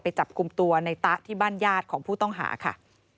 จับกลุ่มตัวในตะที่บ้านญาติของผู้ต้องหาค่ะ